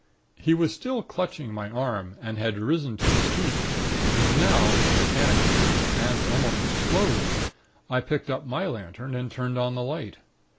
"He was still clutching my arm, and had risen to his feet; and now, mechanically and almost slowly, I picked up my lantern and turned on the light.